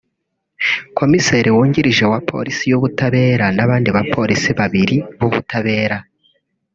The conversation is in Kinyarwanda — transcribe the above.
komiseri wungirije wa polisi y’ubutabera n’abandi ba polisi babiri b’ubutabera